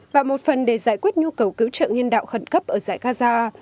và một phần để giải quyết nhu cầu cứu trợ nhân đạo khẩn cấp ở dãy gaza